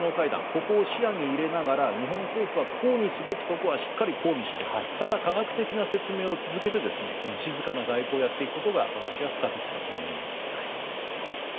ここを視野に入れながら日本政府は抗議すべきところはしっかり抗議してただ、科学的な説明は続けて静かな外交をやっていくことが私は不可欠だと思います。